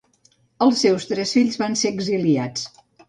Els seus tres fills van ser exiliats.